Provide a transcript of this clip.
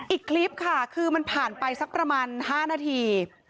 อีกคลิปค่ะคือมันผ่านไปสักประมาณ๕นาที